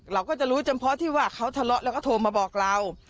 เราก็จะรู้เฉพาะที่ว่าเขาทะเลาะแล้วก็โทรมาบอกเรา